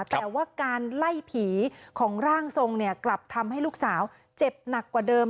แต่ว่าการไล่ผีของร่างทรงเนี่ยกลับทำให้ลูกสาวเจ็บหนักกว่าเดิม